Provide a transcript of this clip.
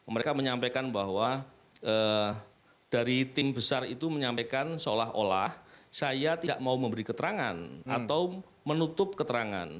mereka menyampaikan bahwa dari tim besar itu menyampaikan seolah olah saya tidak mau memberi keterangan atau menutup keterangan